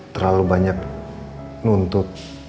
terlalu banyak nuntut